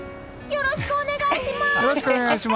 よろしくお願いします！